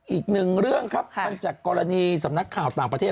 อีกหนึ่งเรื่องครับมันจากกรณีสำนักข่าวต่างประเทศ